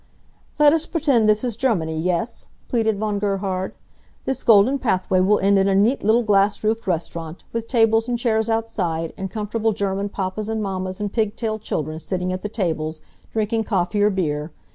"Let us pretend this is Germany, yes?" pleaded Von Gerhard. "This golden pathway will end in a neat little glass roofed restaurant, with tables and chairs outside, and comfortable German papas and mammas and pig tailed children sitting at the tables, drinking coffee or beer.